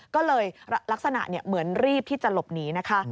ก็เลยลักษณะเหมือนรีบที่จะหลบหนีนะคะ